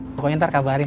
pokoknya ntar kabarin